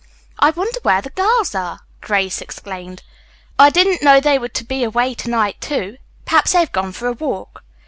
"I wonder where the girls are!" Grace exclaimed. "I didn't know they were to be away to night, too. Perhaps they have gone for a walk."